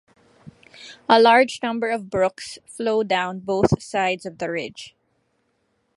A large number of brooks flow down both sides of the ridge.